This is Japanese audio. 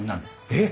えっ！